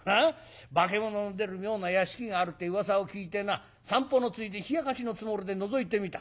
化物の出る妙な屋敷があるってうわさを聞いてな散歩のついで冷やかしのつもりでのぞいてみた。